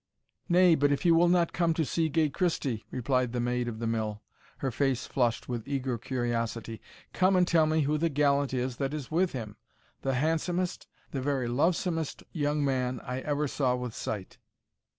"Nay, but if you will not come to see gay Christie," replied the Maid of the Mill, her face flushed with eager curiosity, "come and tell me who the gallant is that is with him, the handsomest, the very lovesomest young man I ever saw with sight."